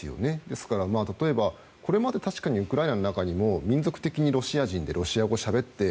ですから、例えばこれまで確かにウクライナの中にも民族的にロシア人でロシア語をしゃべって